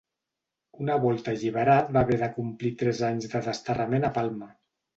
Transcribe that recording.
Una volta alliberat va haver de complir tres anys de desterrament a Palma.